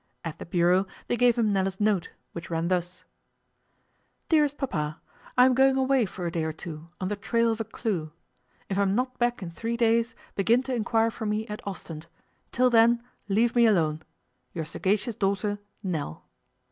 At the bureau they gave him Nella's note, which ran thus: Dearest Papa, I am going away for a day or two on the trail of a clue. If I'm not back in three days, begin to inquire for me at Ostend. Till then leave me alone. Your sagacious daughter, NELL.